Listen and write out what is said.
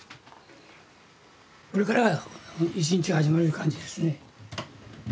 これから１日が始まる感じですね。